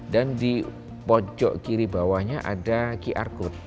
dan di pojok kiri bawahnya ada qr code